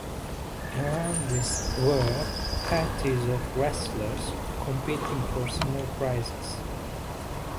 Around this were parties of wrestlers competing for small prizes.